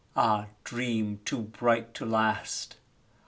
Ah, Dream too bright to last!